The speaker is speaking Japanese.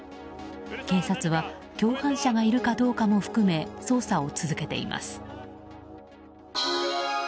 警察は共犯者がいるかどうかも含め捜査を続けています。